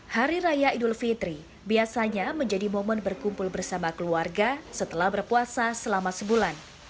hari raya idul fitri biasanya menjadi momen berkumpul bersama keluarga setelah berpuasa selama sebulan